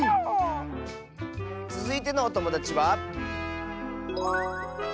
つづいてのおともだちは。